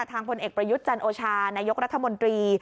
พลเอกประยุทธ์จันโอชานายกรัฐมนตรี